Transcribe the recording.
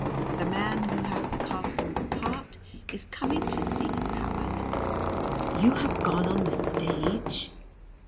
The man who has the casting of the part is coming to see how I look." "You have gone on the stage?"